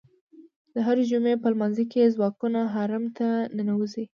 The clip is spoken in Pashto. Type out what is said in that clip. د هرې جمعې په لمانځه کې یې ځواکونه حرم ته ننوځي.